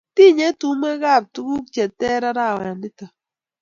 tinyei tumwekab tuguk che ter arawet nito